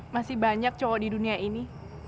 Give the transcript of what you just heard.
masih banyak cowok di dunia ini